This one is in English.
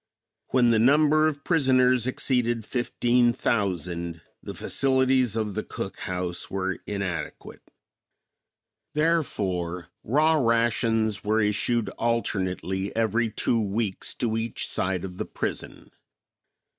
When the number of prisoners exceeded fifteen thousand, the facilities of the cook house were inadequate. Therefore raw rations were issued alternately every two weeks to each side of the prison.